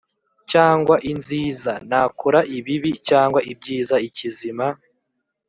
cyangwa inziza, nakora ibibi cyagwa ibyiza ikizima